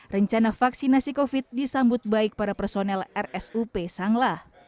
rencana vaksinasi covid disambut baik para personel rsup sanglah